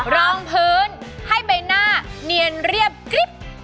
รองพื้นให้ใบหน้าเนียนเรียบกริ๊บ